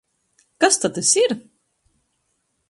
Kas ta tys ir??